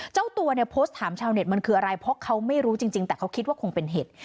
เจ้าตัวเนี่ยโพสต์ถามชาวเน็ตมันคืออะไรเพราะเขาไม่รู้จริงแต่เขาคิดว่าคงเป็นเหตุ